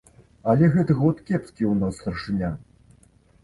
Але гэты год кепскі ў нас старшыня.